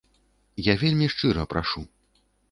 Я вельмі шчыра прашу.